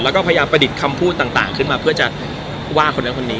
แล้วก็พยายามประดิษฐ์คำพูดต่างขึ้นมาเพื่อจะว่าคนนั้นคนนี้